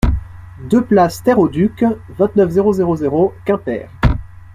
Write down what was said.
deux place Terre au Duc, vingt-neuf, zéro zéro zéro, Quimper